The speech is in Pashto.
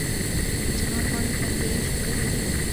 د چنار پاڼې پنجه یي شکل لري